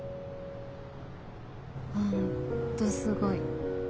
本当すごい。